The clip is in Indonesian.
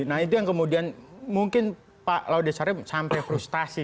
nah itu yang kemudian mungkin pak laude sarip sampai frustasi